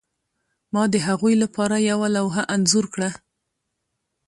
ما د هغوی لپاره یوه لوحه انځور کړه